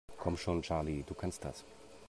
Komm schon, Charlie, du kannst das!